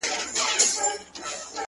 د زړه په هر درب كي مي ته اوســېږې _